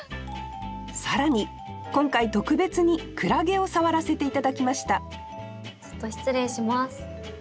更に今回特別に海月を触らせて頂きましたちょっと失礼します。